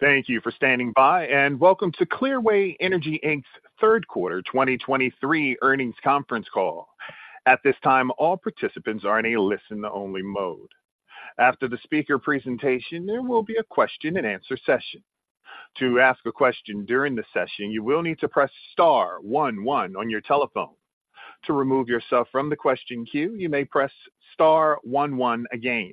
Thank you for standing by, and welcome to Clearway Energy, Inc.'s third quarter 2023 earnings conference call. At this time, all participants are in a listen-only mode. After the speaker presentation, there will be a question-and-answer session. To ask a question during the session, you will need to press star one one on your telephone. To remove yourself from the question queue, you may press star one one again.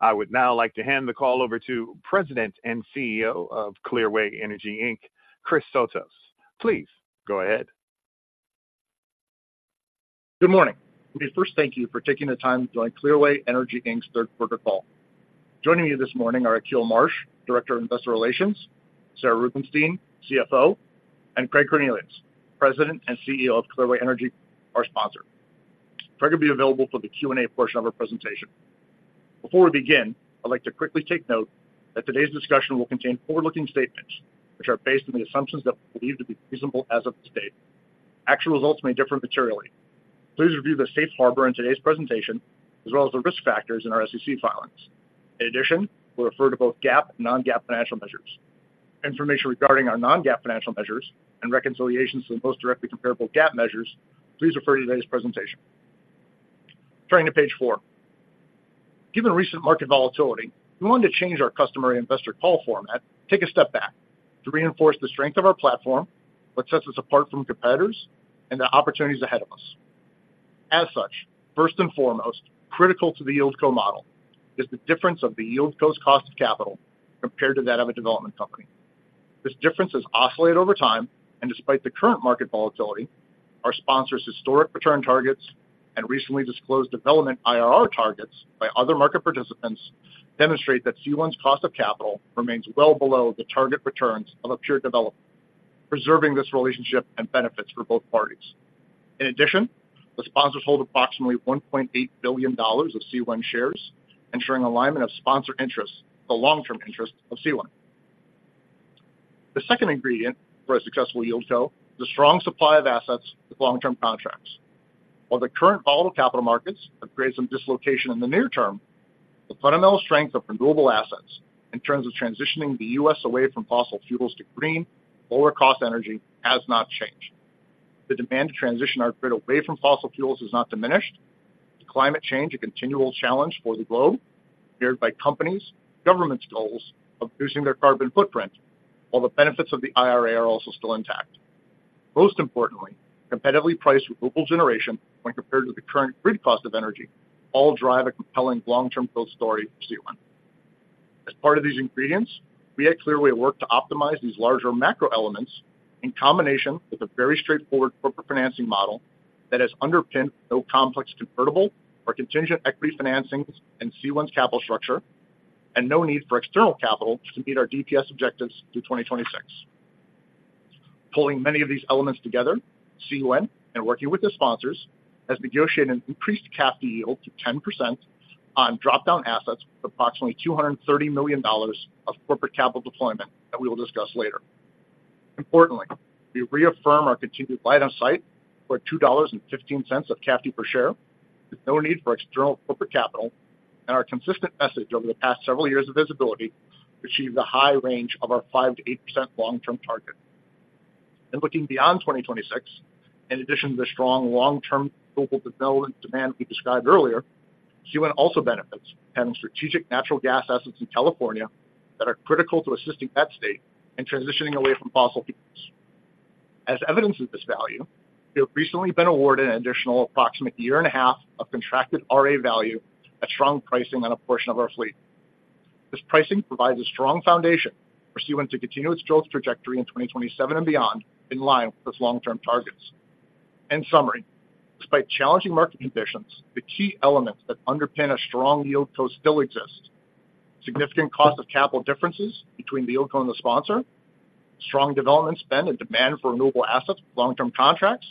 I would now like to hand the call over to President and CEO of Clearway Energy, Inc., Chris Sotos. Please go ahead. Good morning. Let me first thank you for taking the time to join Clearway Energy, Inc.'s third quarter call. Joining me this morning are Akil Marsh, Director of Investor Relations, Sarah Rubenstein, CFO, and Craig Cornelius, President and CEO of Clearway Energy, our sponsor. Craig will be available for the Q&A portion of our presentation. Before we begin, I'd like to quickly take note that today's discussion will contain forward-looking statements, which are based on the assumptions that we believe to be reasonable as of this date. Actual results may differ materially. Please review the safe harbor in today's presentation, as well as the risk factors in our SEC filings. In addition, we'll refer to both GAAP and non-GAAP financial measures. Information regarding our non-GAAP financial measures and reconciliations to the most directly comparable GAAP measures, please refer to today's presentation. Turning to page four. Given recent market volatility, we wanted to change our customer and investor call format, take a step back to reinforce the strength of our platform, what sets us apart from competitors, and the opportunities ahead of us. As such, first and foremost, critical to the YieldCo model is the difference of the YieldCo's cost of capital compared to that of a development company. This difference has oscillated over time, and despite the current market volatility, our sponsor's historic return targets and recently disclosed development IRR targets by other market participants demonstrate that CWEN's cost of capital remains well below the target returns of a pure developer, preserving this relationship and benefits for both parties. In addition, the sponsors hold approximately $1.8 billion of CWEN shares, ensuring alignment of sponsor interests, the long-term interest of CWEN. The second ingredient for a successful YieldCo is a strong supply of assets with long-term contracts. While the current volatile capital markets have created some dislocation in the near term, the fundamental strength of renewable assets in terms of transitioning the U.S. away from fossil fuels to green, lower-cost energy has not changed. The demand to transition our grid away from fossil fuels is not diminished. Climate change, a continual challenge for the globe, geared by companies, government's goals of reducing their carbon footprint, while the benefits of the IRA are also still intact. Most importantly, competitively priced renewable generation when compared to the current grid cost of energy, all drive a compelling long-term growth story for CWEN. As part of these ingredients, we at Clearway work to optimize these larger macro elements in combination with a very straightforward corporate financing model that has underpinned no complex convertible or contingent equity financings in CWEN's capital structure and no need for external capital to meet our DPS objectives through 2026. Pulling many of these elements together, CWEN, and working with the sponsors, has negotiated an increased CAFD yield to 10% on drop-down assets of approximately $230 million of corporate capital deployment that we will discuss later. Importantly, we reaffirm our continued line of sight for $2.15 of CAFD per share, with no need for external corporate capital, and our consistent message over the past several years of visibility to achieve the high range of our 5%-8% long-term target. Looking beyond 2026, in addition to the strong long-term global development demand we described earlier, CWEN also benefits from having strategic natural gas assets in California that are critical to assisting that state in transitioning away from fossil fuels. As evidence of this value, we have recently been awarded an additional approximate 1.5 years of contracted RA value at strong pricing on a portion of our fleet. This pricing provides a strong foundation for CWEN to continue its growth trajectory in 2027 and beyond, in line with its long-term targets. In summary, despite challenging market conditions, the key elements that underpin a strong YieldCo still exist. Significant cost of capital differences between the YieldCo and the sponsor, strong development spend and demand for renewable assets, long-term contracts,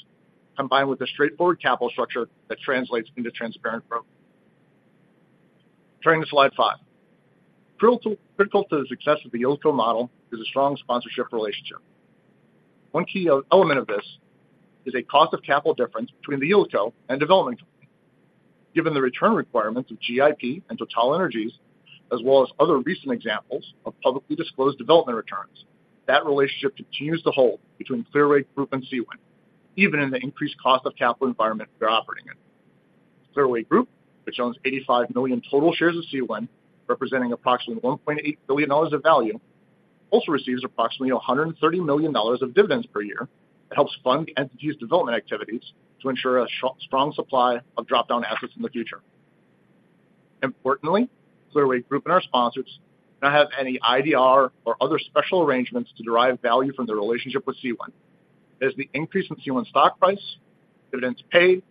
combined with a straightforward capital structure that translates into transparent growth. Turning to slide five. Critical, critical to the success of the YieldCo model is a strong sponsorship relationship. One key element of this is a cost of capital difference between the YieldCo and development company. Given the return requirements of GIP and TotalEnergies, as well as other recent examples of publicly disclosed development returns, that relationship continues to hold between Clearway Group and CWEN, even in the increased cost of capital environment they're operating in. Clearway Group, which owns 85 million total shares of CWEN, representing approximately $1.8 billion of value, also receives approximately $130 million of dividends per year. It helps fund the entity's development activities to ensure a strong supply of drop-down assets in the future. Importantly, Clearway Group and our sponsors do not have any IDR or other special arrangements to derive value from their relationship with CWEN. There's the increase in CWEN stock price, dividends paid,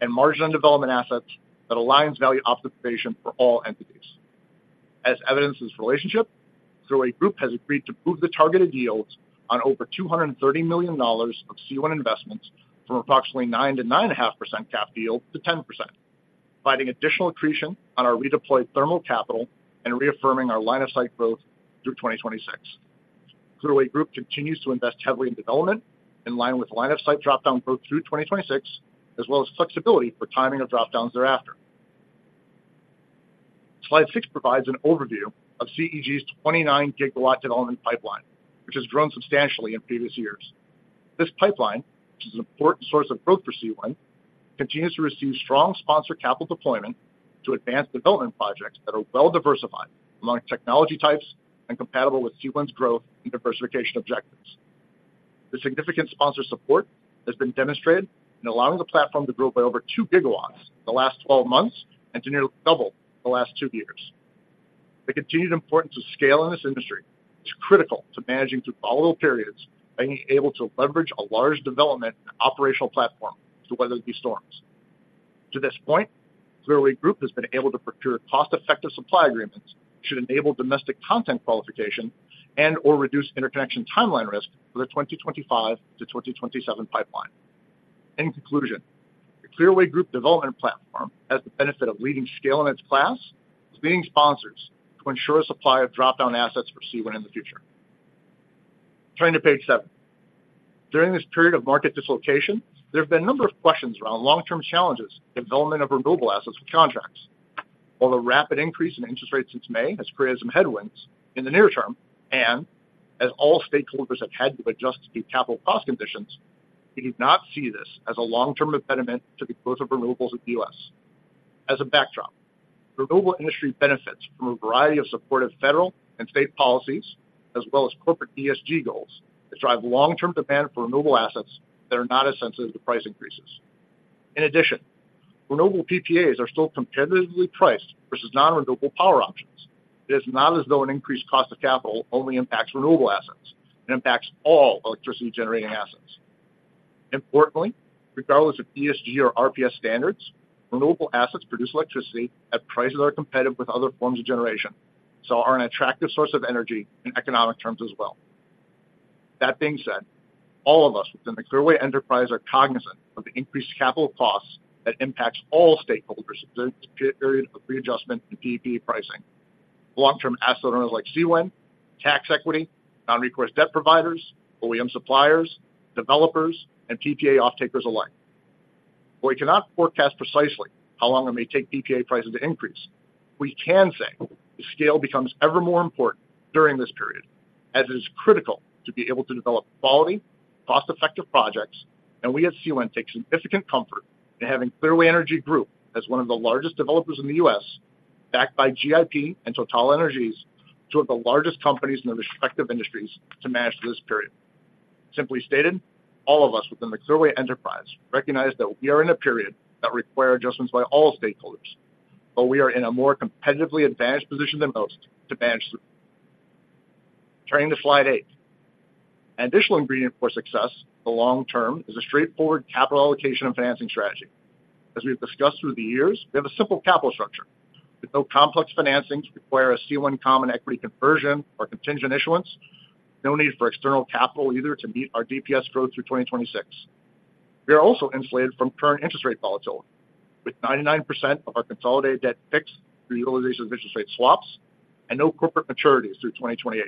and margin on development assets that aligns value optimization for all entities. As evidence of this relationship, Clearway Group has agreed to move the targeted yields on over $230 million of CWEN investments from approximately 9%-9.5% CAFD yield to 10%, providing additional accretion on our redeployed thermal capital and reaffirming our line of sight growth through 2026. Clearway Group continues to invest heavily in development, in line with the line of sight drop-down growth through 2026, as well as flexibility for timing of drop-downs thereafter.... Slide six provides an overview of CEG's 29 GW development pipeline, which has grown substantially in previous years. This pipeline, which is an important source of growth for CWEN, continues to receive strong sponsor capital deployment to advance development projects that are well diversified among technology types and compatible with CWEN's growth and diversification objectives. The significant sponsor support has been demonstrated in allowing the platform to grow by over 2 GW in the last twelve months and to nearly double in the last two years. The continued importance of scale in this industry is critical to managing through volatile periods, being able to leverage a large development and operational platform to weather these storms. To this point, Clearway Group has been able to procure cost-effective supply agreements, which should enable domestic content qualification and/or reduce interconnection timeline risk for the 2025-2027 pipeline. In conclusion, the Clearway Group development platform has the benefit of leading scale in its class to leading sponsors to ensure a supply of drop-down assets for CWEN in the future. Turning to page seven. During this period of market dislocation, there have been a number of questions around long-term challenges in development of renewable assets with contracts. While the rapid increase in interest rates since May has created some headwinds in the near term, and as all stakeholders have had to adjust to the capital cost conditions, we do not see this as a long-term impediment to the growth of renewables in the U.S. As a backdrop, renewable industry benefits from a variety of supportive federal and state policies, as well as corporate ESG goals, that drive long-term demand for renewable assets that are not as sensitive to price increases. In addition, renewable PPAs are still competitively priced versus non-renewable power options. It is not as though an increased cost of capital only impacts renewable assets. It impacts all electricity-generating assets. Importantly, regardless of ESG or RPS standards, renewable assets produce electricity at prices that are competitive with other forms of generation, so are an attractive source of energy in economic terms as well. That being said, all of us within the Clearway enterprise are cognizant of the increased capital costs that impacts all stakeholders during this period of readjustment in PPA pricing. Long-term asset owners like CWEN, tax equity, non-recourse debt providers, OEM suppliers, developers, and PPA offtakers alike. While we cannot forecast precisely how long it may take PPA prices to increase, we can say the scale becomes ever more important during this period, as it is critical to be able to develop quality, cost-effective projects, and we at CWEN take significant comfort in having Clearway Energy Group as one of the largest developers in the U.S., backed by GIP and TotalEnergies, two of the largest companies in their respective industries, to manage through this period. Simply stated, all of us within the Clearway enterprise recognize that we are in a period that require adjustments by all stakeholders, but we are in a more competitively advantaged position than most to manage through. Turning to slide eight. An additional ingredient for success in the long term is a straightforward capital allocation and financing strategy. As we've discussed through the years, we have a simple capital structure. With no complex financings require a CWEN common equity conversion or contingent issuance, no need for external capital either to meet our DPS growth through 2026. We are also insulated from current interest rate volatility, with 99% of our consolidated debt fixed through the utilization of interest rate swaps and no corporate maturities through 2028.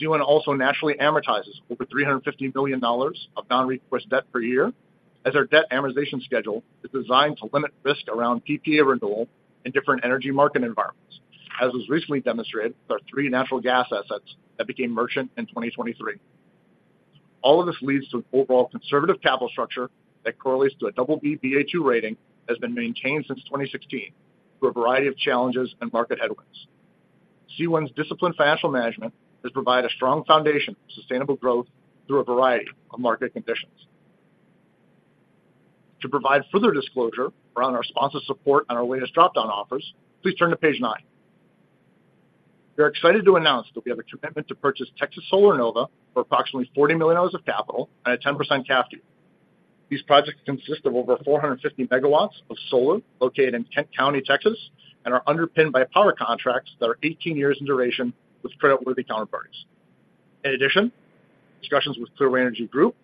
CWEN also naturally amortizes over $350 billion of non-recourse debt per year, as our debt amortization schedule is designed to limit risk around PPA renewal in different energy market environments, as was recently demonstrated with our three natural gas assets that became merchant in 2023. All of this leads to an overall conservative capital structure that correlates to a BBB/Baa2 rating, has been maintained since 2016 through a variety of challenges and market headwinds. CWEN's disciplined financial management has provided a strong foundation for sustainable growth through a variety of market conditions. To provide further disclosure around our sponsor support on our latest drop-down offers, please turn to page nine. We are excited to announce that we have a commitment to purchase Texas Solar Nova for approximately $40 million of capital and a 10% CAFD. These projects consist of over 450 MW of solar located in Kent County, Texas, and are underpinned by power contracts that are 18 years in duration with creditworthy counterparties. In addition, discussions with Clearway Energy Group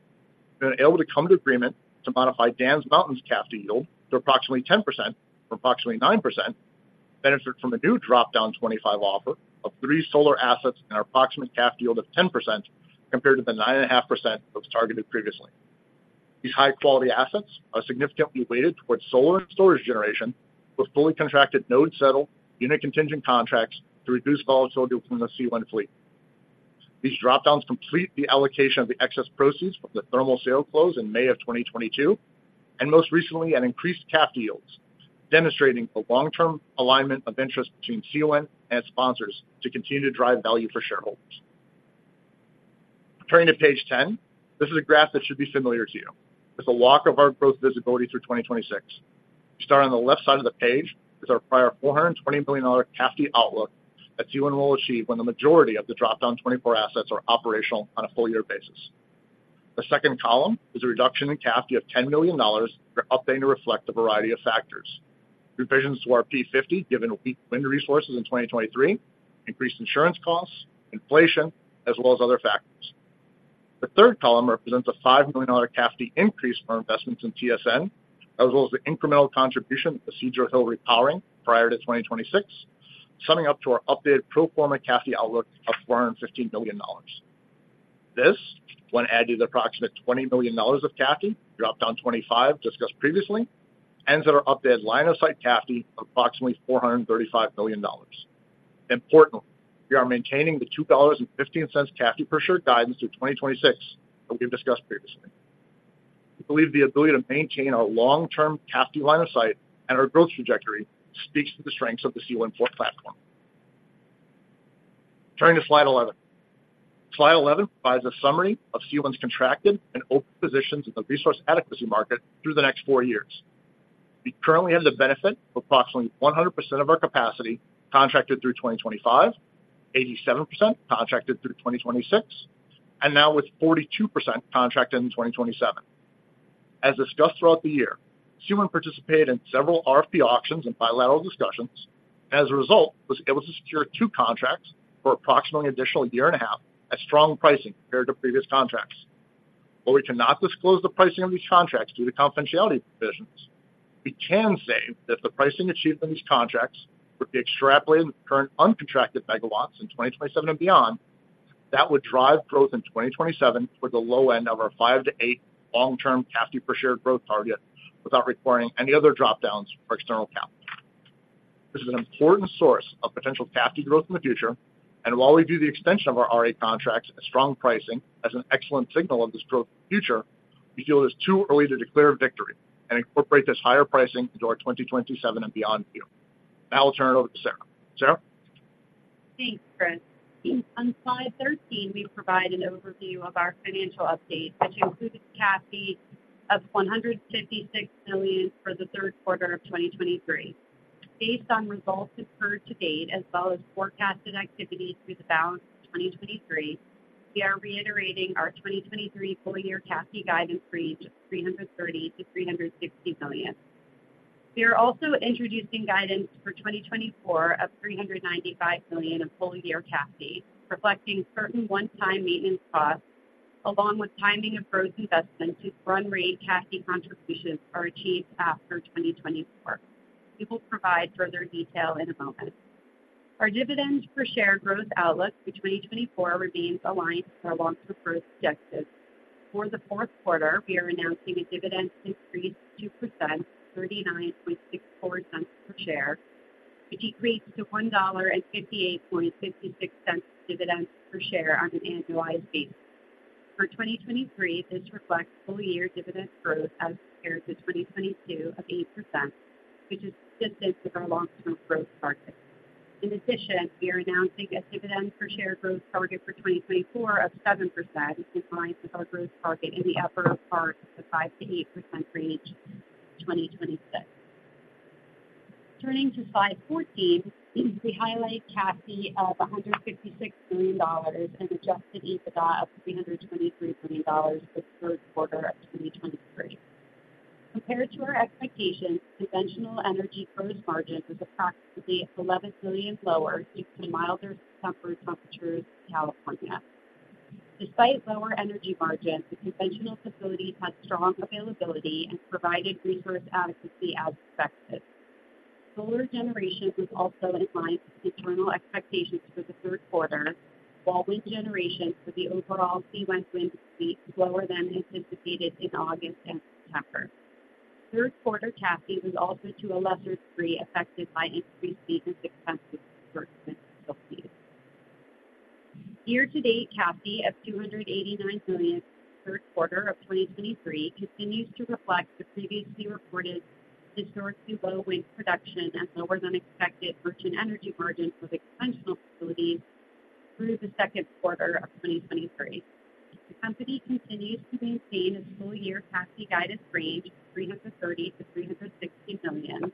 have been able to come to agreement to modify Dan's Mountain's CAFD yield to approximately 10% from approximately 9%, benefit from a new drop-down 25 offer of three solar assets and an approximate CAFD yield of 10%, compared to the 9.5% that was targeted previously. These high-quality assets are significantly weighted towards solar and storage generation, with fully contracted node-settled unit contingent contracts to reduce volatility from the CWEN fleet. These drop-downs complete the allocation of the excess proceeds from the thermal sale close in May of 2022, and most recently, an increased CAFD yields, demonstrating a long-term alignment of interest between CWEN and sponsors to continue to drive value for shareholders. Turning to page 10. This is a graph that should be familiar to you. It's a walk of our growth visibility through 2026. Starting on the left side of the page is our prior $420 million CAFD outlook that CWEN will achieve when the majority of the drop-down 24 assets are operational on a full year basis. The second column is a reduction in CAFD of $10 million, we're updating to reflect a variety of factors. Revisions to our P50, given weak wind resources in 2023, increased insurance costs, inflation, as well as other factors. The third column represents a $5 million CAFD increase for our investments in TSN, as well as the incremental contribution of the Cedro Hill repowering prior to 2026, summing up to our updated pro forma CAFD outlook of $450 million. This, when added to the approximate $20 million of CAFD, drop-down 25, discussed previously, ends at our updated line of sight CAFD of approximately $435 million. Importantly, we are maintaining the $2.15 CAFD per share guidance through 2026 that we've discussed previously. We believe the ability to maintain our long-term CAFD line of sight and our growth trajectory speaks to the strengths of the Clearway platform. Turning to slide 11. Slide 11 provides a summary of Clearway's contracted and open positions in the resource adequacy market through the next four years. We currently have the benefit of approximately 100% of our capacity contracted through 2025, 87% contracted through 2026, and now with 42% contracted in 2027. As discussed throughout the year, CWEN participated in several RFP auctions and bilateral discussions, and as a result, was able to secure two contracts for approximately an additional year and a half at strong pricing compared to previous contracts. While we cannot disclose the pricing of these contracts due to confidentiality provisions, we can say that the pricing achieved in these contracts were extrapolated with current uncontracted megawatts in 2027 and beyond, that would drive growth in 2027 for the low end of our five to eight long-term CAFD per share growth target, without requiring any other dropdowns for external capital. This is an important source of potential CAFD growth in the future, and while we view the extension of our RA contracts as strong pricing as an excellent signal of this growth in the future, we feel it is too early to declare victory and incorporate this higher pricing into our 2027 and beyond view. Now I'll turn it over to Sarah. Sarah? Thanks, Chris. On slide 13, we provide an overview of our financial update, which includes CAFD of $156 million for the third quarter of 2023. Based on results incurred to date, as well as forecasted activity through the balance of 2023, we are reiterating our 2023 full-year CAFD guidance range of $330 million-$360 million. We are also introducing guidance for 2024 of $395 million of full-year CAFD, reflecting certain one-time maintenance costs, along with timing of growth investments whose run rate CAFD contributions are achieved after 2024. We will provide further detail in a moment. Our dividend per share growth outlook for 2024 remains aligned with our long-term growth objectives. For the fourth quarter, we are announcing a dividend increase of 2%, $0.3964 per share, which increases to $1.5856 dividend per share on an annualized basis. For 2023, this reflects full-year dividend growth as compared to 2022 of 8%, which is consistent with our long-term growth targets. In addition, we are announcing a dividend per share growth target for 2024 of 7%, in line with our growth target in the upper part of the 5%-8% range in 2026. Turning to slide 14, we highlight CAFD of $156 million and Adjusted EBITDA of $323 million for the third quarter of 2023. Compared to our expectations, conventional energy gross margin was approximately $11 million lower due to milder September temperatures in California. Despite lower energy margins, the conventional facilities had strong availability and provided resource adequacy as expected. Solar generation was also in line with internal expectations for the third quarter, while wind generation for the overall Sealand wind fleet was lower than anticipated in August and September. Third quarter CAFD was also to a lesser degree affected by increased seasonal expenses for facilities. Year-to-date, CAFD of $289 million third quarter of 2023 continues to reflect the previously reported historically low wind production and lower-than-expected merchant energy margins with conventional facilities through the second quarter of 2023. The company continues to maintain its full-year CAFD guidance range of $330 million-$360 million.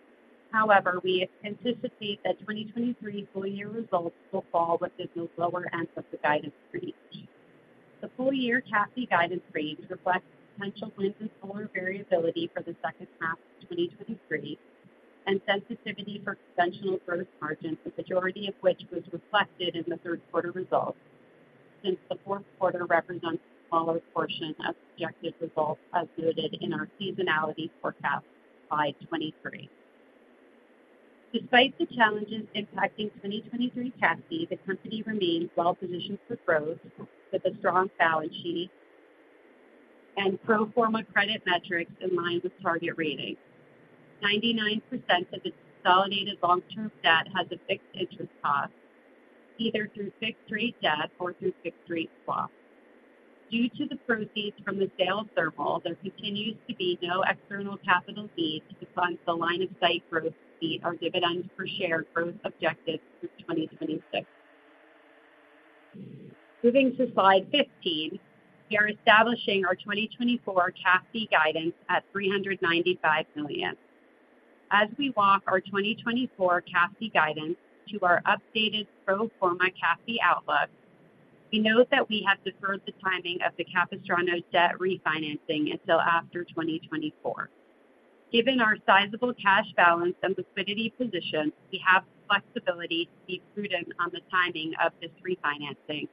However, we anticipate that 2023 full-year results will fall within the lower end of the guidance range. The full-year CAFD guidance range reflects potential wind and solar variability for the second half of 2023, and sensitivity for conventional gross margins, the majority of which was reflected in the third quarter results, since the fourth quarter represents a smaller portion of projected results as noted in our seasonality forecast by 2023. Despite the challenges impacting 2023 CAFD, the company remains well positioned for growth, with a strong balance sheet and pro forma credit metrics in line with target ratings. 99% of the consolidated long-term debt has a fixed interest cost, either through fixed-rate debt or through fixed-rate swaps. Due to the proceeds from the sale of thermal, there continues to be no external capital need to fund the line of sight growth or dividend per share growth objectives through 2026. Moving to slide 15, we are establishing our 2024 CAFD guidance at $395 million. As we walk our 2024 CAFD guidance to our updated pro forma CAFD outlook, we note that we have deferred the timing of the Capistrano debt refinancing until after 2024. Given our sizable cash balance and liquidity position, we have the flexibility to be prudent on the timing of this refinancing,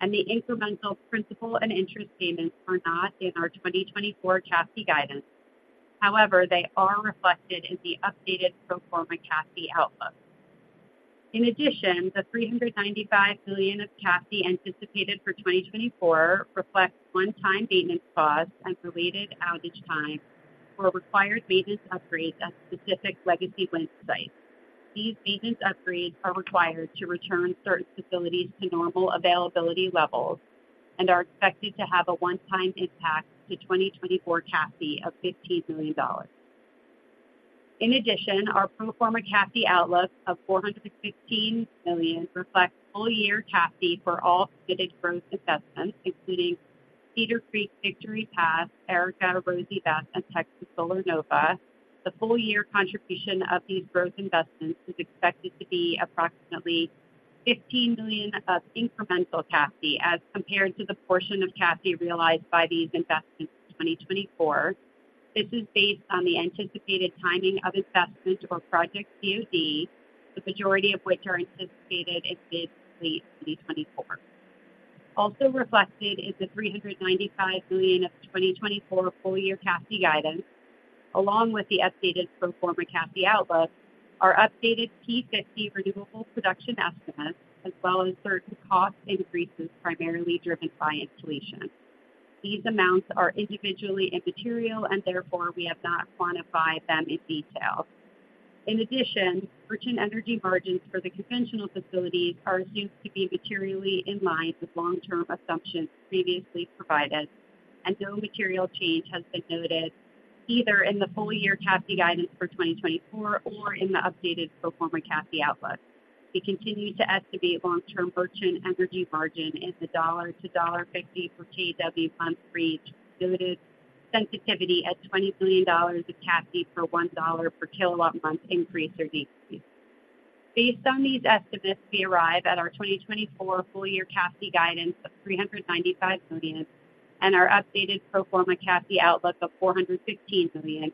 and the incremental principal and interest payments are not in our 2024 CAFD guidance. However, they are reflected in the updated pro forma CAFD outlook. In addition, the $395 million of CAFD anticipated for 2024 reflects one-time maintenance costs and related outage time for required maintenance upgrades at specific legacy wind sites. These maintenance upgrades are required to return certain facilities to normal availability levels and are expected to have a one-time impact to 2024 CAFD of $15 million. In addition, our pro forma CAFD outlook of $416 million reflects full-year CAFD for all submitted growth investments, including Cedar Creek, Victory Pass, Arica, Rosamond, and Texas Solar Nova. The full year contribution of these growth investments is expected to be approximately $15 million of incremental CAFD as compared to the portion of CAFD realized by these investments in 2024. This is based on the anticipated timing of investment or project COD, the majority of which are anticipated in late 2024. Also reflected is the $395 million of 2024 full year CAFD guidance, along with the updated pro forma CAFD outlook, our updated P50 renewable production estimates, as well as certain cost increases primarily driven by inflation. These amounts are individually immaterial, and therefore we have not quantified them in detail. In addition, gross energy margins for the conventional facilities are assumed to be materially in line with long-term assumptions previously provided, and no material change has been noted either in the full year CAFD guidance for 2024 or in the updated pro forma CAFD outlook. We continue to estimate long-term gross energy margin is $1-$1.50 per kW month reach limited sensitivity at $20 billion of CAFD per $1 per kW month increase or decrease. Based on these estimates, we arrive at our 2024 full year CAFD guidance of $395 million and our updated pro forma CAFD outlook of $416 million,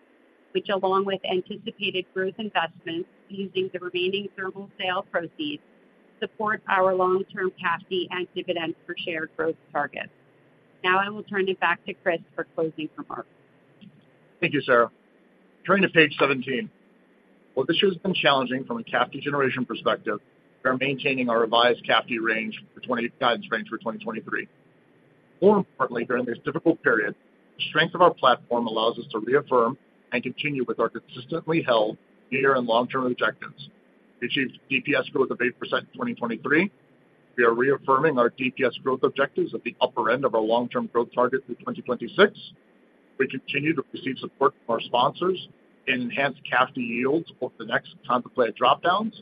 which, along with anticipated growth investments using the remaining thermal sale proceeds, supports our long-term CAFD and dividends per share growth target. Now I will turn it back to Chris for closing remarks. Thank you, Sarah. Turning to page 17. Well, this year has been challenging from a CAFD generation perspective for maintaining our revised CAFD range for 2023 guidance range for 2023. More importantly, during this difficult period, the strength of our platform allows us to reaffirm and continue with our consistently held near and long-term objectives. We achieved DPS growth of 8% in 2023. We are reaffirming our DPS growth objectives at the upper end of our long-term growth target through 2026. We continue to receive support from our sponsors in enhanced CAFD yields over the next contemplated drop-downs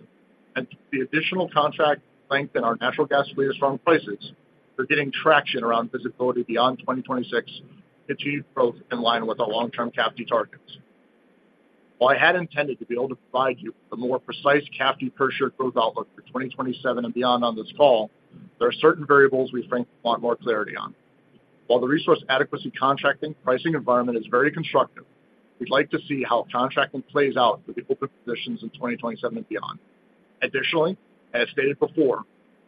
and the additional contract length in our natural gas fleet. Our strong prices for getting traction around visibility beyond 2026 to achieve growth in line with our long-term CAFD targets. While I had intended to be able to provide you with a more precise CAFD per share growth outlook for 2027 and beyond on this call, there are certain variables we think want more clarity on. While the resource adequacy contracting pricing environment is very constructive, we'd like to see how contracting plays out for the open positions in 2027 and beyond. Additionally, as stated before,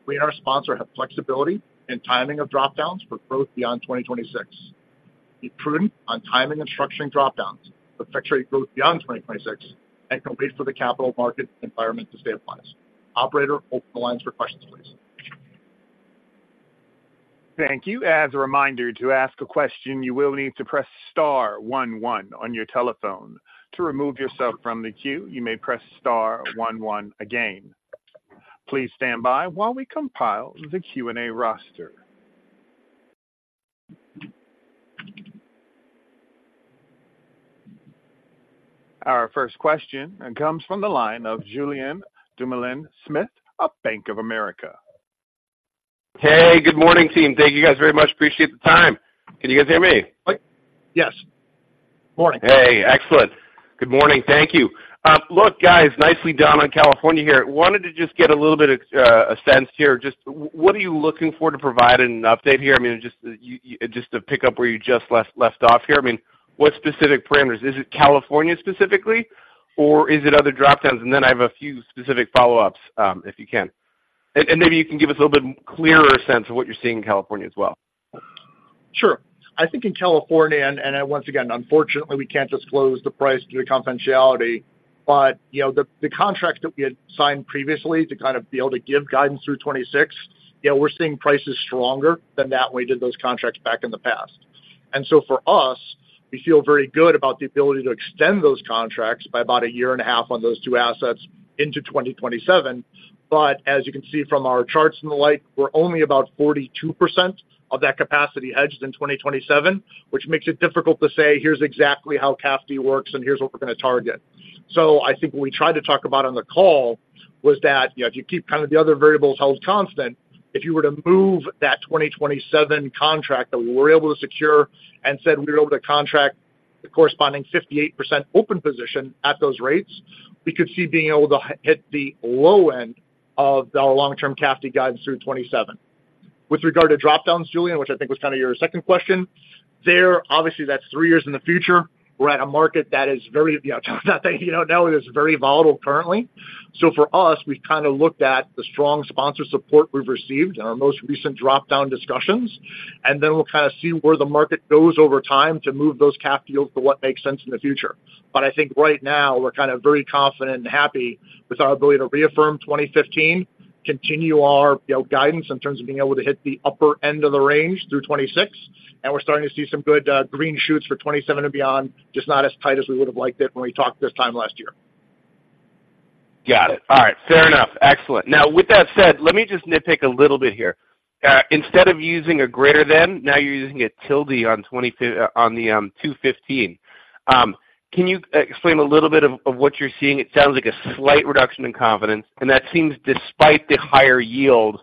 we and our sponsor have flexibility in timing of drop-downs for growth beyond 2026. Be prudent on timing and structuring drop-downs to effectuate growth beyond 2026 and can wait for the capital market environment to stabilize. Operator, open the lines for questions, please. Thank you. As a reminder, to ask a question, you will need to press star one one on your telephone. To remove yourself from the queue, you may press star one one again. Please stand by while we compile the Q&A roster. Our first question comes from the line of Julien Dumoulin-Smith of Bank of America. Hey, good morning, team. Thank you guys very much. Appreciate the time. Can you guys hear me? Yes. Morning. Hey, excellent. Good morning. Thank you. Look, guys, nicely done on California here. Wanted to just get a little bit of a sense here. Just what are you looking for to provide an update here? I mean, just to pick up where you just left off here. I mean, what specific parameters? Is it California specifically, or is it other drop-downs? And then I have a few specific follow-ups, if you can. And maybe you can give us a little bit clearer sense of what you're seeing in California as well. Sure. I think in California, and once again, unfortunately, we can't disclose the price due to confidentiality, but, you know, the contract that we had signed previously to kind of be able to give guidance through 2026, you know, we're seeing prices stronger than that when we did those contracts back in the past. And so for us, we feel very good about the ability to extend those contracts by about a year and a half on those two assets into 2027. But as you can see from our charts and the like, we're only about 42% of that capacity hedged in 2027, which makes it difficult to say, here's exactly how CAFD works and here's what we're going to target. So I think what we tried to talk about on the call was that, you know, if you keep kind of the other variables held constant, if you were to move that 2027 contract that we were able to secure and said we were able to contract the corresponding 58% open position at those rates, we could see being able to hit the low end of our long-term CAFD guidance through 2027. With regard to drop-downs, Julien, which I think was kind of your second question, there, obviously, that's three years in the future. We're at a market that is very, you know, that, you know, now is very volatile currently. So for us, we've kind of looked at the strong sponsor support we've received in our most recent drop-down discussions, and then we'll kind of see where the market goes over time to move those CAFD deals to what makes sense in the future. But I think right now, we're kind of very confident and happy with our ability to reaffirm $2.15, continue our, you know, guidance in terms of being able to hit the upper end of the range through 2026, and we're starting to see some good green shoots for 2027 and beyond, just not as tight as we would have liked it when we talked this time last year. Got it. All right, fair enough. Excellent. Now, with that said, let me just nitpick a little bit here. Instead of using a greater than, now you're using a tilde on 20 on the 2.15. Can you explain a little bit of what you're seeing? It sounds like a slight reduction in confidence, and that seems despite the higher yield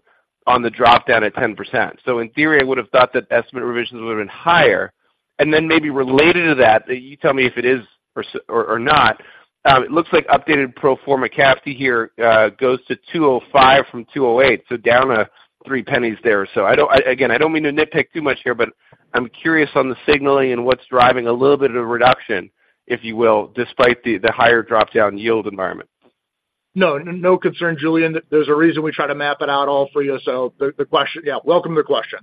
on the drop-down at 10%. So in theory, I would have thought that estimate revisions would have been higher. And then maybe related to that, you tell me if it is or not, it looks like updated pro forma CAFD here goes to 205 from 208, so down $0.03 there. So, again, I don't mean to nitpick too much here, but I'm curious on the signaling and what's driving a little bit of a reduction, if you will, despite the higher drop-down yield environment. No, no concern, Julien. There's a reason we try to map it out all for you. The question-- Yeah, welcome to the question.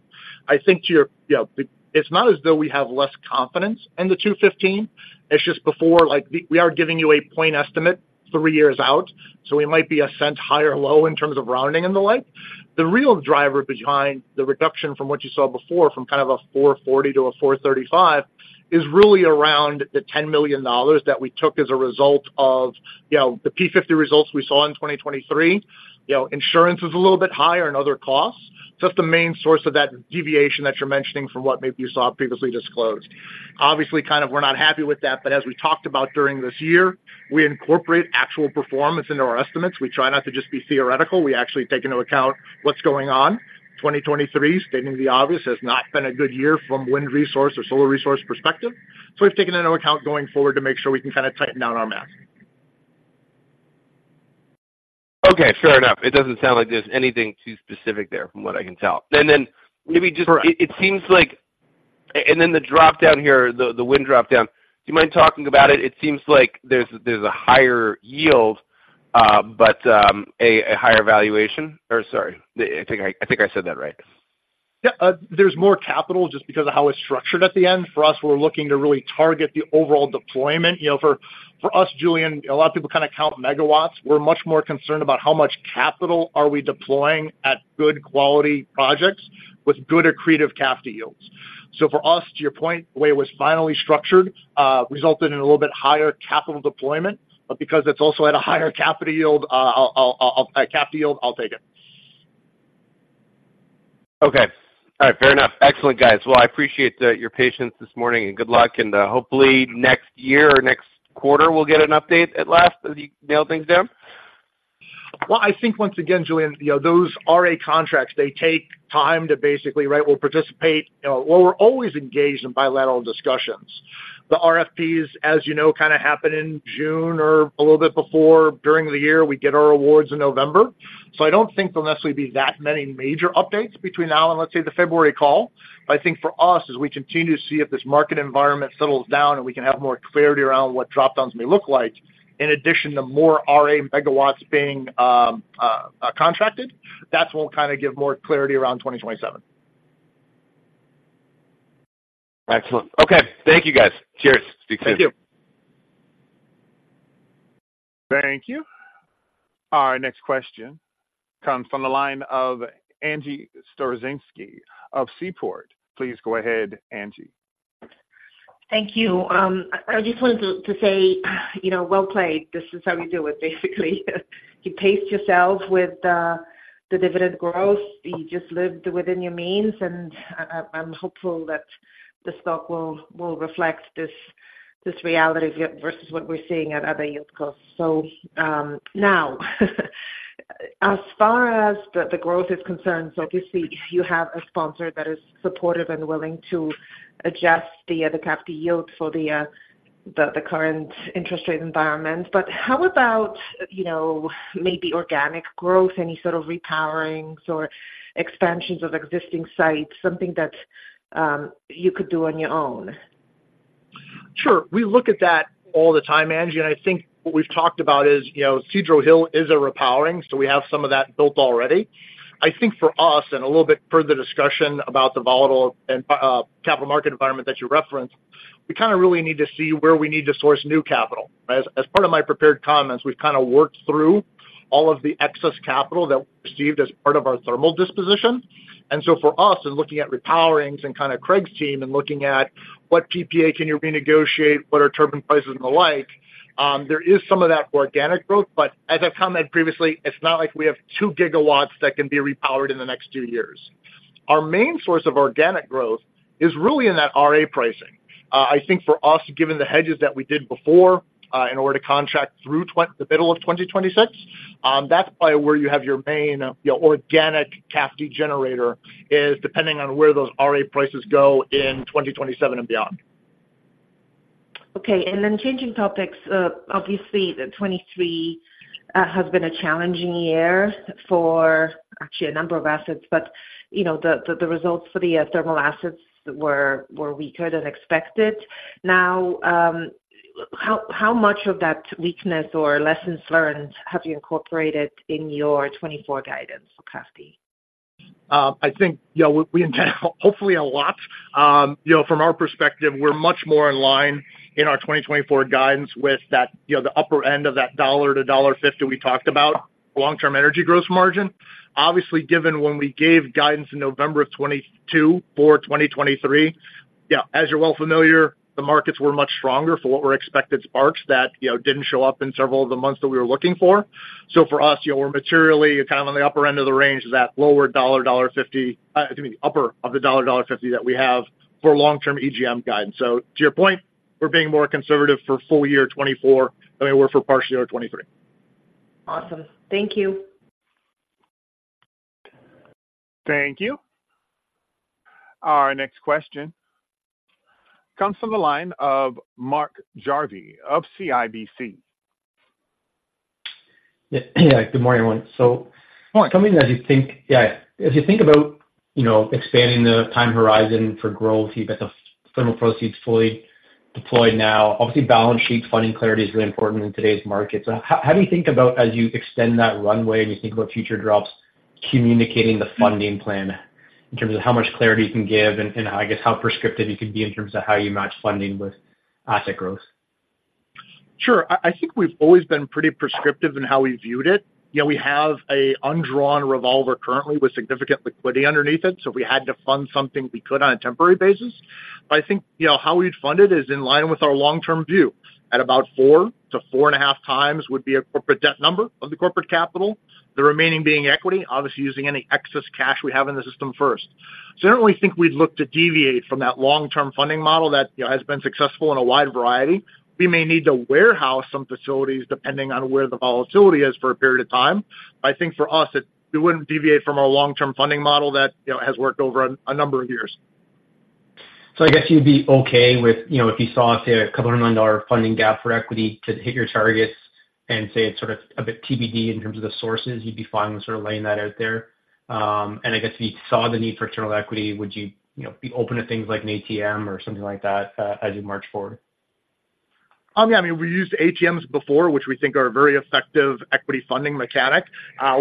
I think to your-- You know, it's not as though we have less confidence in the $2.15. It's just before, like, we are giving you a point estimate three years out, so we might be a cent high or low in terms of rounding and the like. The real driver behind the reduction from what you saw before, from kind of a $4.40 to $4.35, is really around the $10 million that we took as a result of, you know, the P50 results we saw in 2023. You know, insurance is a little bit higher and other costs. So that's the main source of that deviation that you're mentioning from what maybe you saw previously disclosed. Obviously, kind of we're not happy with that, but as we talked about during this year, we incorporate actual performance into our estimates. We try not to just be theoretical. We actually take into account what's going on. 2023, stating the obvious, has not been a good year from wind resource or solar resource perspective. So we've taken into account going forward to make sure we can kind of tighten down our math. Okay, fair enough. It doesn't sound like there's anything too specific there, from what I can tell. And then maybe just- Sure. It seems like -- and then the drop-down here, the wind drop-down, do you mind talking about it? It seems like there's a higher yield, but a higher valuation. Or sorry, I think I said that right. Yeah. There's more capital just because of how it's structured at the end. For us, we're looking to really target the overall deployment. You know, for us, Julian, a lot of people kind of count megawatts. We're much more concerned about how much capital are we deploying at good quality projects with good accretive CAFD yields. So for us, to your point, the way it was finally structured resulted in a little bit higher capital deployment. But because it's also at a higher capital yield, a CAFD yield, I'll take it. Okay. All right, fair enough. Excellent, guys. Well, I appreciate your patience this morning, and good luck, and hopefully next year or next quarter, we'll get an update at last, as you nail things down. Well, I think once again, Julian, you know, those RA contracts, they take time to basically, right, we'll participate. You know, well, we're always engaged in bilateral discussions. The RFPs, as you know, kind of happen in June or a little bit before, during the year. We get our awards in November. So I don't think there'll necessarily be that many major updates between now and, let's say, the February call. But I think for us, as we continue to see if this market environment settles down and we can have more clarity around what drop-downs may look like, in addition to more RA megawatts being contracted, that's what will kind of give more clarity around 2027. Excellent. Okay, thank you, guys. Cheers. Speak soon. Thank you. Thank you. Our next question comes from the line of Angie Storozynski of Seaport. Please go ahead, Angie. Thank you. I just wanted to say, you know, well played. This is how you do it, basically. You pace yourself with the dividend growth. You just lived within your means, and I'm hopeful that the stock will reflect this reality versus what we're seeing at other Yieldco's. So, now, as far as the growth is concerned, so obviously you have a sponsor that is supportive and willing to adjust the CAFD yield for the current interest rate environment. But how about, you know, maybe organic growth, any sort of repowering or expansions of existing sites, something that you could do on your own? Sure. We look at that all the time, Angie, and I think what we've talked about is, you know, Cedro Hill is a repowering, so we have some of that built already. I think for us, and a little bit further discussion about the volatile and capital market environment that you referenced, we kind of really need to see where we need to source new capital. As part of my prepared comments, we've kind of worked through all of the excess capital that we received as part of our thermal disposition. And so for us, in looking at repowerings and kind of Craig's team and looking at what PPA can you renegotiate, what are turbine prices and the like, there is some of that organic growth, but as I've commented previously, it's not like we have 2 GW that can be repowered in the next two years. Our main source of organic growth is really in that RA pricing. I think for us, given the hedges that we did before, in order to contract through the middle of 2026, that's probably where you have your main, you know, organic CAFD generator, is depending on where those RA prices go in 2027 and beyond. Okay, and then changing topics, obviously, the 2023 has been a challenging year for actually a number of assets, but, you know, the results for the thermal assets were weaker than expected. Now, how much of that weakness or lessons learned have you incorporated in your 2024 guidance for CAFD? I think, you know, we intend hopefully a lot. You know, from our perspective, we're much more in line in our 2024 guidance with that, you know, the upper end of that $1-$1.50 we talked about, long-term energy gross margin. Obviously, given when we gave guidance in November of 2022 for 2023, yeah, as you're well familiar, the markets were much stronger for what were expected spikes that, you know, didn't show up in several of the months that we were looking for. So for us, you know, we're materially kind of on the upper end of the range of that lower dollar, dollar fifty, excuse me, upper of the dollar, dollar fifty that we have for long-term EGM guidance. So to your point, we're being more conservative for full year 2024 than we were for partial year 2023. Awesome. Thank you. Thank you. Our next question comes from the line of Mark Jarvi of CIBC. Yeah, good morning, everyone. So- Morning. Tell me as you think about, you know, expanding the time horizon for growth, you've got the thermal proceeds fully deployed now. Obviously, balance sheet funding clarity is really important in today's markets. How do you think about, as you extend that runway and you think about future drops, communicating the funding plan in terms of how much clarity you can give and I guess how prescriptive you can be in terms of how you match funding with asset growth? Sure. I, I think we've always been pretty prescriptive in how we viewed it. You know, we have an undrawn revolver currently with significant liquidity underneath it, so if we had to fund something, we could on a temporary basis. But I think, you know, how we'd fund it is in line with our long-term view, at about 4x to 4.5x would be a corporate debt number of the corporate capital, the remaining being equity, obviously using any excess cash we have in the system first. So I don't really think we'd look to deviate from that long-term funding model that, you know, has been successful in a wide variety. We may need to warehouse some facilities depending on where the volatility is for a period of time. I think for us, we wouldn't deviate from our long-term funding model that, you know, has worked over a number of years. So I guess you'd be okay with, you know, if you saw, say, a $200 funding gap for equity to hit your targets and say it's sort of a bit TBD in terms of the sources, you'd be fine with sort of laying that out there? And I guess if you saw the need for internal equity, would you, you know, be open to things like an ATM or something like that, as you march forward? Yeah, I mean, we've used ATMs before, which we think are a very effective equity funding mechanic.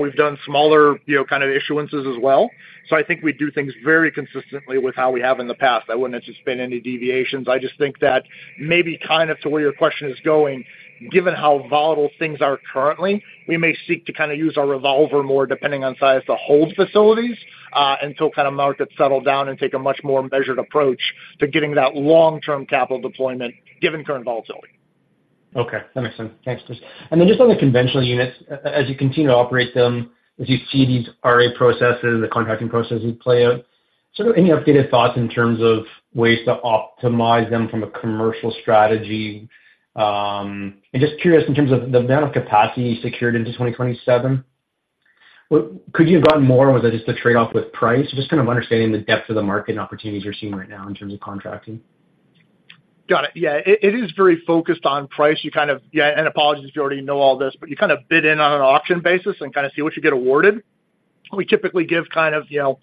We've done smaller, you know, kind of issuances as well. So I think we do things very consistently with how we have in the past. I wouldn't anticipate any deviations. I just think that maybe kind of to where your question is going, given how volatile things are currently, we may seek to kind of use our revolver more, depending on size, to hold facilities, until kind of markets settle down and take a much more measured approach to getting that long-term capital deployment, given current volatility. Okay, that makes sense. Thanks, Chris. And then just on the conventional units, as you continue to operate them, as you see these RA processes and the contracting processes play out, sort of any updated thoughts in terms of ways to optimize them from a commercial strategy? And just curious in terms of the amount of capacity you secured into 2027, what could you have gotten more or was it just a trade-off with price? Just kind of understanding the depth of the market and opportunities you're seeing right now in terms of contracting. Got it. Yeah, it is very focused on price. You kind of... Yeah, and apologies if you already know all this, but you kind of bid in on an auction basis and kind of see what you get awarded. We typically give kind of, you know,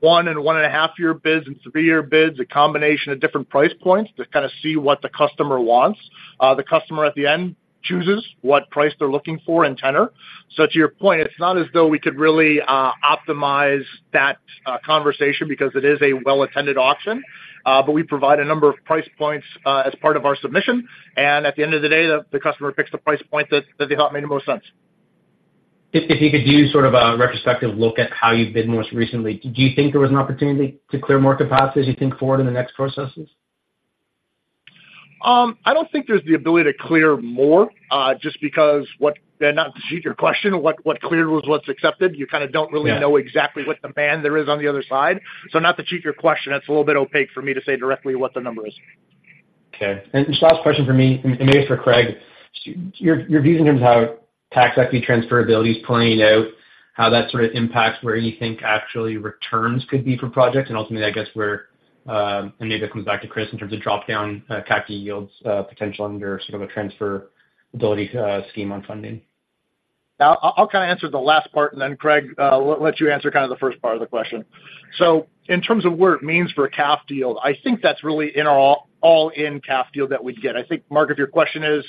one- and 1.5-year bids and three-year bids, a combination of different price points to kind of see what the customer wants. The customer at the end chooses what price they're looking for and tender. So to your point, it's not as though we could really optimize that conversation because it is a well-attended auction, but we provide a number of price points as part of our submission, and at the end of the day, the customer picks the price point that they thought made the most sense. If you could do sort of a retrospective look at how you've bid most recently, do you think there was an opportunity to clear more capacity as you think forward in the next processes? I don't think there's the ability to clear more, just because what, and not to cheat your question, what, what cleared was what's accepted. You kind of don't really- Yeah Know exactly what demand there is on the other side. So not to cheat your question, that's a little bit opaque for me to say directly what the number is. Okay. And just last question for me, and maybe for Craig. Your view in terms of how tax equity transferability is playing out, how that sort of impacts where you think actually returns could be for projects, and ultimately, I guess, where, and maybe that comes back to Chris in terms of drop-down CAFD yields potential under sort of a transferability scheme on funding. I'll kind of answer the last part, and then, Craig, we'll let you answer kind of the first part of the question. So in terms of what it means for a CAFD deal, I think that's really an all-in CAFD deal that we'd get. I think, Mark, if your question is,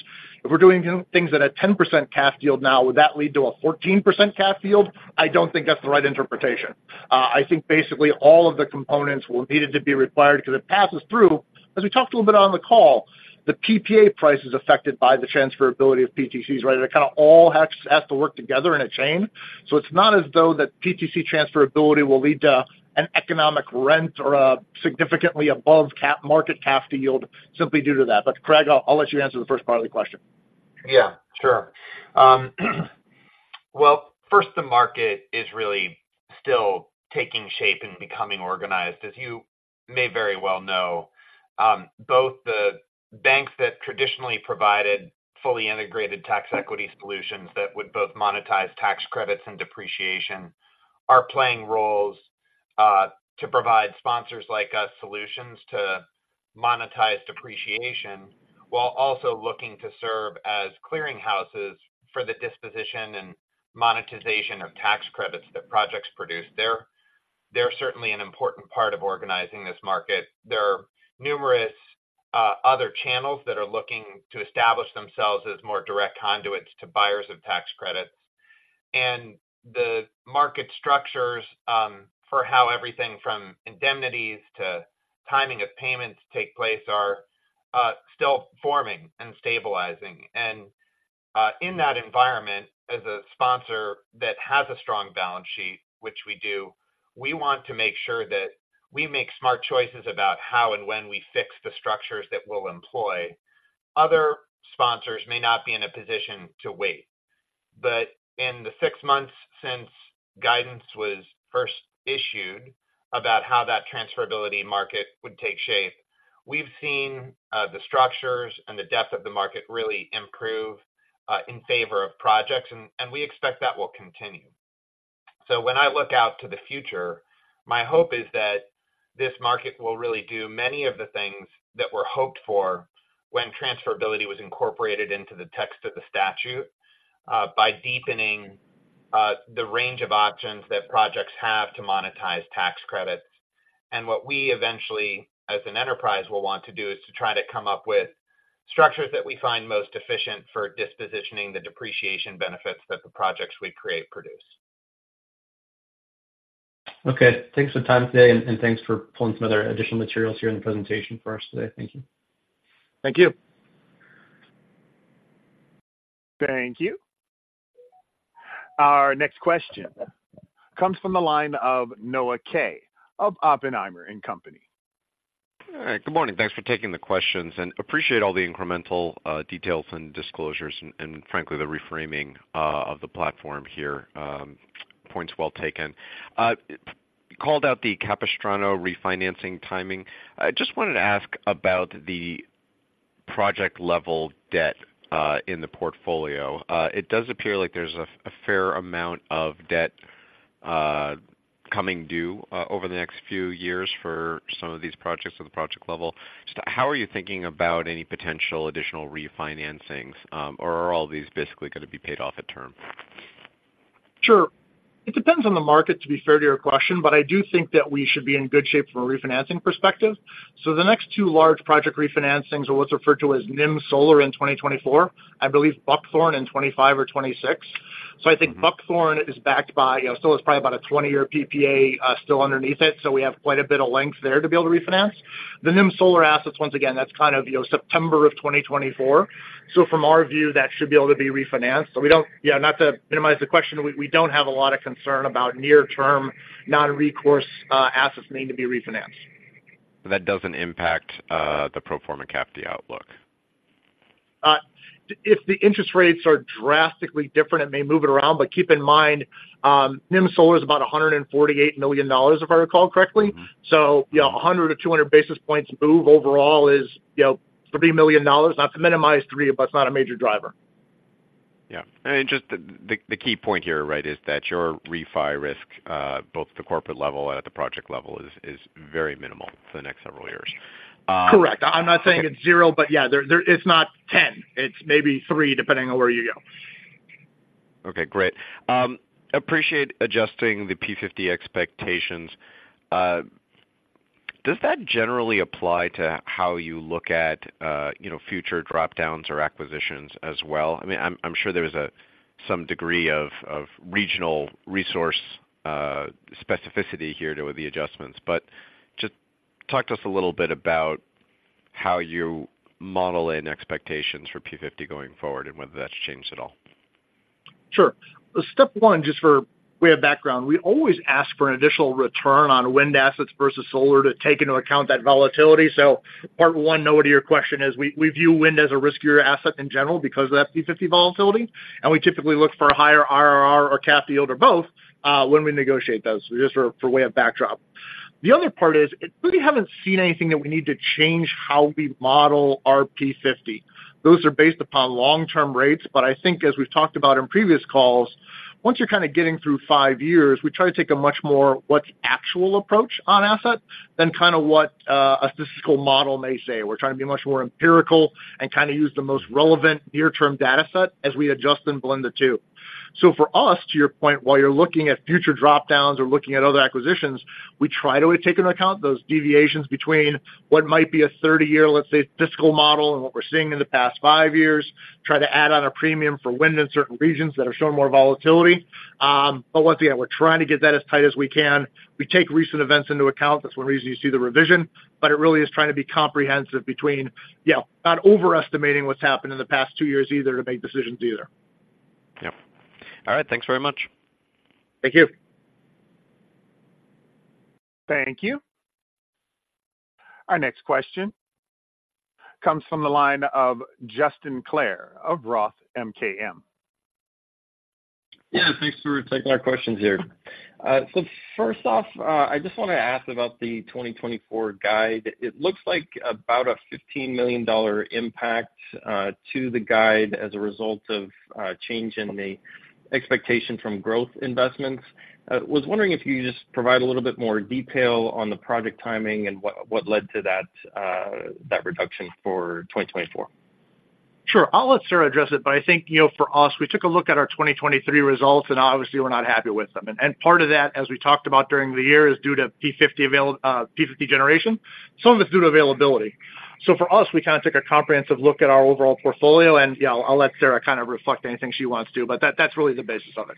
if we're doing new things at a 10% CAFD deal now, would that lead to a 14% CAFD deal? I don't think that's the right interpretation. I think basically all of the components will need to be required because it passes through. As we talked a little bit on the call, the PPA price is affected by the transferability of PTCs, right? They kind of all have to work together in a chain. So it's not as though that PTC transferability will lead to an economic rent or a significantly above cap market CAFD yield simply due to that. But Craig, I'll, I'll let you answer the first part of the question. Yeah, sure. Well, first, the market is really still taking shape and becoming organized, as you may very well know. Both the banks that traditionally provided fully integrated tax equity solutions that would both monetize tax credits and depreciation, are playing roles to provide sponsors like us, solutions to monetize depreciation, while also looking to serve as clearinghouses for the disposition and monetization of tax credits that projects produce. They're certainly an important part of organizing this market. There are numerous... Other channels that are looking to establish themselves as more direct conduits to buyers of tax credits. And the market structures for how everything from indemnities to timing of payments take place are still forming and stabilizing. And in that environment, as a sponsor that has a strong balance sheet, which we do, we want to make sure that we make smart choices about how and when we fix the structures that we'll employ. Other sponsors may not be in a position to wait. But in the six months since guidance was first issued about how that transferability market would take shape, we've seen the structures and the depth of the market really improve in favor of projects, and we expect that will continue. So when I look out to the future, my hope is that this market will really do many of the things that were hoped for when transferability was incorporated into the text of the statute, by deepening the range of options that projects have to monetize tax credits. And what we eventually, as an enterprise, will want to do, is to try to come up with structures that we find most efficient for dispositioning the depreciation benefits that the projects we create produce. Okay. Thanks for the time today, and thanks for pulling some other additional materials here in the presentation for us today. Thank you. Thank you. Thank you. Our next question comes from the line of Noah Kaye of Oppenheimer and Company. All right. Good morning. Thanks for taking the questions, and appreciate all the incremental, details and disclosures, and, and frankly, the reframing, of the platform here. Points well taken. You called out the Capistrano refinancing timing. I just wanted to ask about the project-level debt, in the portfolio. It does appear like there's a, a fair amount of debt, coming due, over the next few years for some of these projects at the project level. Just how are you thinking about any potential additional refinancing, or are all these basically gonna be paid off at term? Sure. It depends on the market, to be fair to your question, but I do think that we should be in good shape from a refinancing perspective. So the next two large project refinancing are what's referred to as Nim Solar in 2024, I believe Buckthorn in 25 or 26. So I think Buckthorn is backed by, you know, so it's probably about a 20-year PPA, still underneath it, so we have quite a bit of length there to be able to refinance. The Nim Solar assets, once again, that's kind of, you know, September of 2024. So from our view, that should be able to be refinanced. So we don't... Yeah, not to minimize the question, we, we don't have a lot of concern about near-term, non-recourse, assets needing to be refinanced. That doesn't impact the pro forma CAFD outlook? If the interest rates are drastically different, it may move it around. But keep in mind, Nim Solar is about $148 million, if I recall correctly. Mm-hmm. You know, 100-200 basis points move overall is, you know, $30 million. Not to minimize $3 million, but it's not a major driver. Yeah. Just the key point here, right, is that your refi risk both at the corporate level and at the project level is very minimal for the next several years. Correct. I'm not saying it's zero, but yeah... It's not 10. It's maybe three, depending on where you go. Okay, great. Appreciate adjusting the P50 expectations. Does that generally apply to how you look at, you know, future drop-downs or acquisitions as well? I mean, I'm, I'm sure there is some degree of, of regional resource specificity here with the adjustments. But just talk to us a little bit about how you model in expectations for P50 going forward, and whether that's changed at all. Sure. Step one, just by way of background, we always ask for an additional return on wind assets versus solar to take into account that volatility. So part one, Noah, to your question, is we, we view wind as a riskier asset in general because of that P50 volatility, and we typically look for a higher IRR or cap yield or both, when we negotiate those, just by way of backdrop. The other part is, we haven't seen anything that we need to change how we model our P50. Those are based upon long-term rates, but I think as we've talked about in previous calls, once you're kind of getting through five years, we try to take a much more what's actual approach on asset than kind of what a statistical model may say. We're trying to be much more empirical and kind of use the most relevant near-term dataset as we adjust and blend the two. So for us, to your point, while you're looking at future drop-downs or looking at other acquisitions, we try to take into account those deviations between what might be a 30-year, let's say, fiscal model and what we're seeing in the past five years, try to add on a premium for wind in certain regions that are showing more volatility. But once again, we're trying to get that as tight as we can. We take recent events into account. That's one reason you see the revision, but it really is trying to be comprehensive between, you know, not overestimating what's happened in the past two years either, to make decisions either. Yep. All right. Thanks very much. Thank you. Thank you. Our next question comes from the line of Justin Clare of Roth MKM. Yeah, thanks for taking our questions here. So first off, I just want to ask about the 2024 guide. It looks like about a $15 million impact to the guide as a result of change in the expectation from growth investments. Was wondering if you could just provide a little bit more detail on the project timing and what led to that reduction for 2024? Sure, I'll let Sarah address it, but I think, you know, for us, we took a look at our 2023 results, and obviously we're not happy with them. And part of that, as we talked about during the year, is due to P50 generation. Some of it's due to availability. So for us, we kind of took a comprehensive look at our overall portfolio, and, yeah, I'll let Sarah kind of reflect anything she wants to, but that, that's really the basis of it.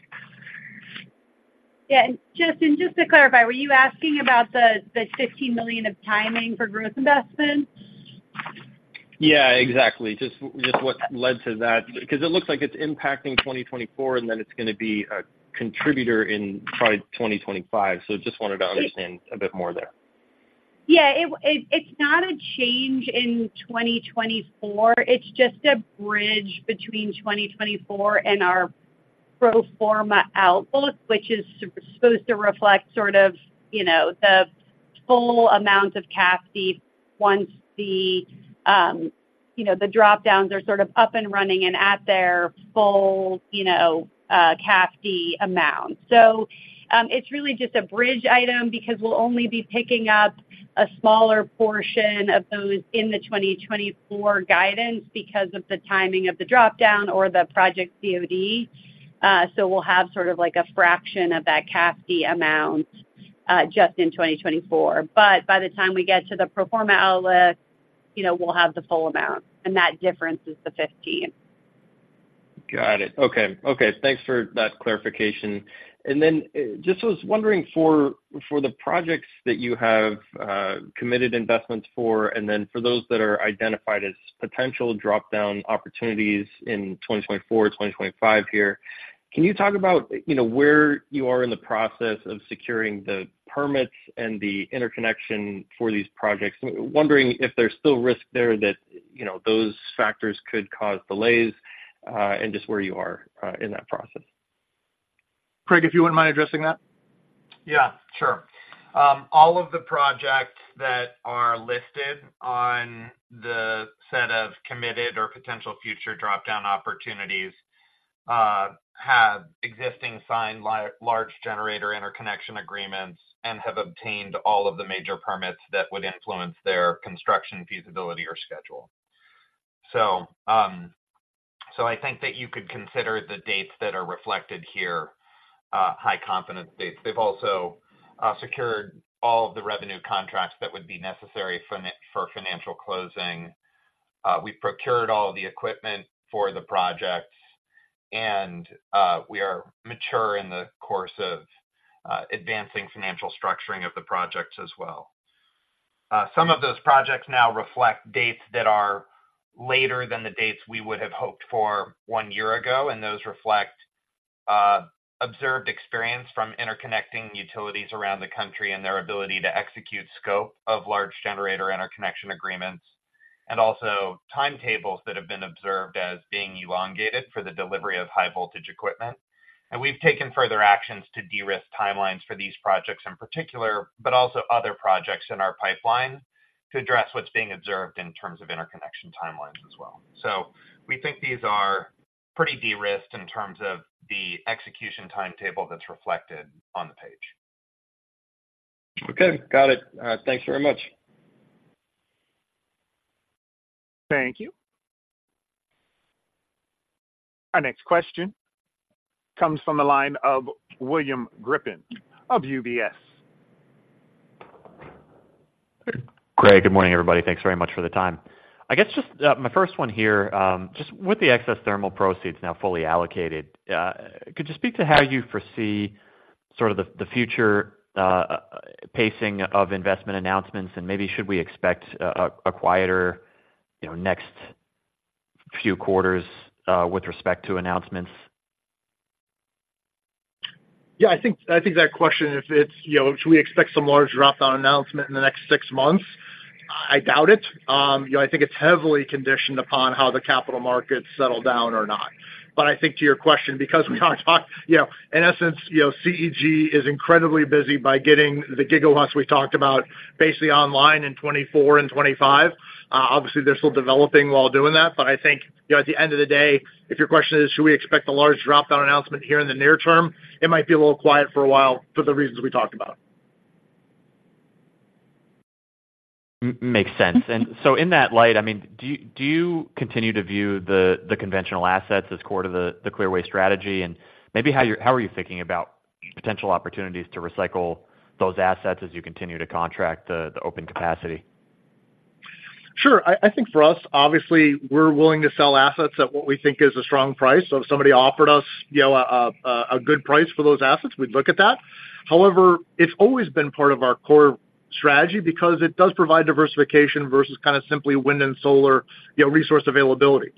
Yeah, and Justin, just to clarify, were you asking about the $15 million of timing for growth investment? Yeah, exactly. Just, just what led to that? Because it looks like it's impacting 2024, and then it's gonna be a contributor in probably 2025. So just wanted to understand a bit more there. Yeah, it, it's not a change in 2024. It's just a bridge between 2024 and our pro forma outlook, which is supposed to reflect sort of, you know, the full amount of CAFD once the, you know, the drop-downs are sort of up and running and at their full, you know, CAFD amount. So, it's really just a bridge item because we'll only be picking up a smaller portion of those in the 2024 guidance because of the timing of the drop-down or the project COD. So we'll have sort of like a fraction of that CAFD amount, just in 2024. But by the time we get to the pro forma outlook, you know, we'll have the full amount, and that difference is the 15. Got it. Okay. Okay, thanks for that clarification. And then, just was wondering for, for the projects that you have, committed investments for and then for those that are identified as potential drop-down opportunities in 2024, 2025 here, can you talk about, you know, where you are in the process of securing the permits and the interconnection for these projects? Wondering if there's still risk there that, you know, those factors could cause delays, and just where you are, in that process. Craig, if you wouldn't mind addressing that? Yeah, sure. All of the projects that are listed on the set of committed or potential future drop-down opportunities have existing signed Large Generator Interconnection Agreements and have obtained all of the major permits that would influence their construction, feasibility, or schedule. So, so I think that you could consider the dates that are reflected here high confidence dates. They've also secured all of the revenue contracts that would be necessary for financial closing. We've procured all the equipment for the projects, and we are mature in the course of advancing financial structuring of the projects as well. Some of those projects now reflect dates that are later than the dates we would have hoped for one year ago, and those reflect observed experience from interconnecting utilities around the country and their ability to execute scope of Large Generator Interconnection Agreements, and also timetables that have been observed as being elongated for the delivery of high-voltage equipment. And we've taken further actions to de-risk timelines for these projects in particular, but also other projects in our pipeline, to address what's being observed in terms of interconnection timelines as well. So we think these are pretty de-risked in terms of the execution timetable that's reflected on the page. Okay, got it. Thanks very much. Thank you. Our next question comes from the line of William Grippin of UBS. Craig, good morning, everybody. Thanks very much for the time. I guess, just, my first one here, just with the excess thermal proceeds now fully allocated, could you speak to how you foresee sort of the future pacing of investment announcements? And maybe should we expect a quieter, you know, next few quarters, with respect to announcements? Yeah, I think, I think that question, if it's, you know, should we expect some large drop-down announcement in the next six months? I doubt it. You know, I think it's heavily conditioned upon how the capital markets settle down or not. But I think to your question, because we kind of talked you know, in essence, you know, CEG is incredibly busy by getting the gigawatts we talked about basically online in 2024 and 2025. Obviously, they're still developing while doing that, but I think, you know, at the end of the day, if your question is, should we expect a large drop-down announcement here in the near term? It might be a little quiet for a while for the reasons we talked about. Makes sense. And so in that light, I mean, do you, do you continue to view the, the conventional assets as core to the, the Clearway strategy? And maybe how you... How are you thinking about potential opportunities to recycle those assets as you continue to contract the, the open capacity? Sure. I think for us, obviously, we're willing to sell assets at what we think is a strong price. So if somebody offered us, you know, a good price for those assets, we'd look at that. However, it's always been part of our core strategy because it does provide diversification versus kind of simply wind and solar, you know, resource availability.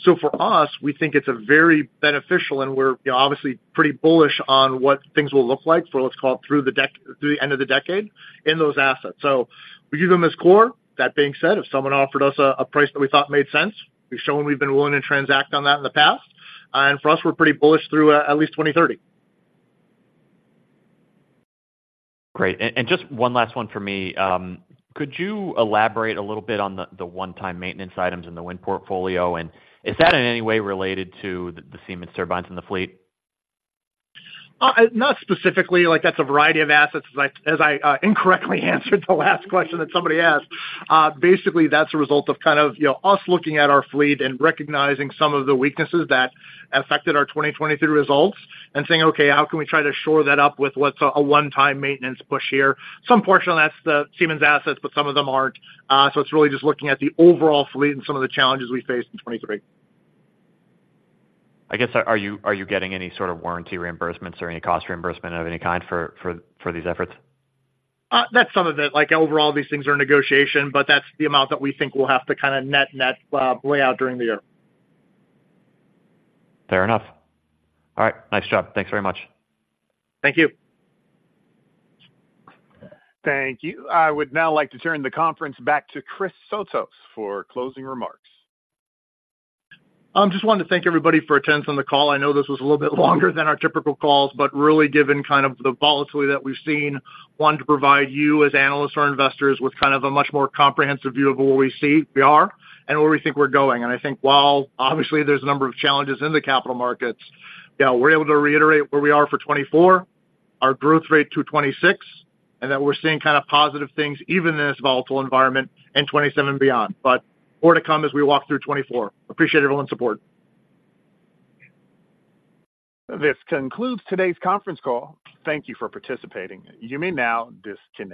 So for us, we think it's a very beneficial, and we're, you know, obviously pretty bullish on what things will look like for, let's call it, through the end of the decade in those assets. So we view them as core. That being said, if someone offered us a price that we thought made sense, we've shown we've been willing to transact on that in the past. And for us, we're pretty bullish through at least 2030. Great. And, and just one last one for me. Could you elaborate a little bit on the, the one-time maintenance items in the wind portfolio, and is that in any way related to the, the Siemens turbines in the fleet? Not specifically, like, that's a variety of assets, as I incorrectly answered the last question that somebody asked. Basically, that's a result of kind of, you know, us looking at our fleet and recognizing some of the weaknesses that affected our 2023 results and saying, "Okay, how can we try to shore that up with what's a one-time maintenance push here?" Some portion of that's the Siemens assets, but some of them aren't. So it's really just looking at the overall fleet and some of the challenges we faced in 2023. I guess, are you getting any sort of warranty reimbursements or any cost reimbursement of any kind for these efforts? That's some of it. Like, overall, these things are in negotiation, but that's the amount that we think we'll have to kind of net, net, play out during the year. Fair enough. All right, nice job. Thanks very much. Thank you. Thank you. I would now like to turn the conference back to Chris Sotos for closing remarks. Just wanted to thank everybody for attending the call. I know this was a little bit longer than our typical calls, but really given kind of the volatility that we've seen, wanted to provide you, as analysts or investors, with kind of a much more comprehensive view of where we see we are and where we think we're going. And I think while obviously there's a number of challenges in the capital markets, you know, we're able to reiterate where we are for 2024, our growth rate to 2026, and that we're seeing kind of positive things even in this volatile environment in 2027 and beyond. But more to come as we walk through 2024. Appreciate everyone's support. This concludes today's conference call. Thank you for participating. You may now disconnect.